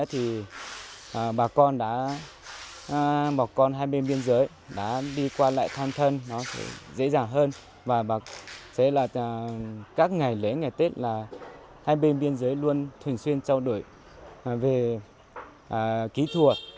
hoặc sẽ là các ngày lễ ngày tết là hai bên biên giới luôn thường xuyên trao đổi về kỹ thuật